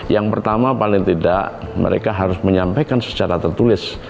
yang pertama paling tidak mereka harus menyampaikan secara tertulis